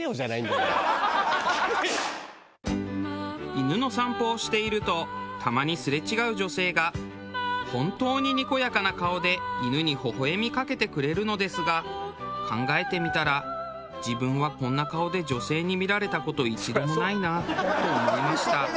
犬の散歩をしているとたまにすれ違う女性が本当ににこやかな顔で犬にほほ笑みかけてくれるのですが考えてみたら自分はこんな顔で女性に見られた事一度もないなと思いました。